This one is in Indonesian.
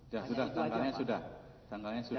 ya sudah tanggalnya sudah